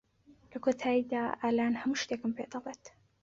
لە کۆتاییدا، ئالان هەموو شتێکم پێدەڵێت.